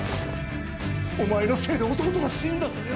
お前のせいで弟は死んだんだよ。